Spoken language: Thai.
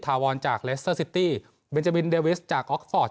วอนจากเลสเตอร์ซิตี้เบนจาบินเดวิสจากออกฟอร์ต